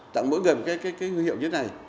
tặng mỗi người một cái nguyên hiệu như thế này